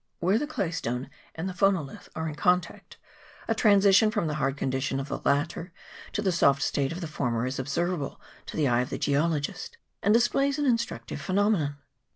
Where the clay stone and the phonolithe are in con 220 ROAD FROM KAITAIA. [PART II. tact, a transition from the hard condition of the latter to the soft state of the former is observable to the eye of the geologist, and displays an instructive phenomenon.